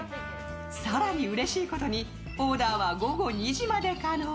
更にうれしいことに、オーダーは午後２時まで可能。